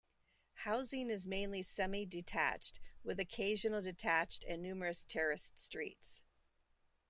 Housing is mainly semi-detached, with occasional detached and numerous terraced streets.